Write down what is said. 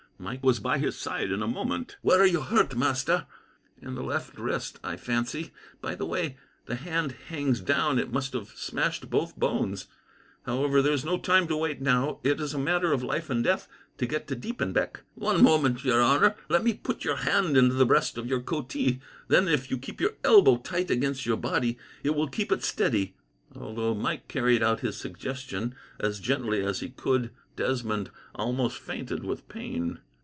Mike was by his side in a moment. "Where are you hurt, master?" "In the left wrist, I fancy. By the way the hand hangs down, it must have smashed both bones. However, there is no time to wait, now. It is a matter of life and death to get to Diepenbeck." "One moment, your honour. Let me put your hand into the breast of your coatee; then, if you keep your elbow tight against your body, it will keep it steady." Although Mike carried out his suggestion as gently as he could, Desmond almost fainted with pain.